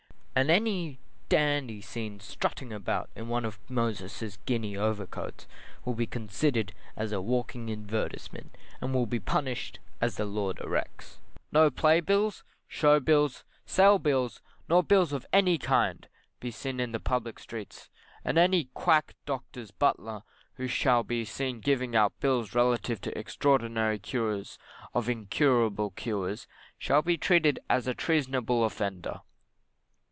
And any dandy seen strutting about in one of Moses's Guinea Overcoats, will be considered as a walking advertisement, and will be punished as the law directs. No play bills, show bills, sale bills, nor bills of any kind be seen in the public streets, and any quack doctor's butler who shall be seen giving out bills relative to extraordinary cures of incurable cures shall be treated as a treasonable offender.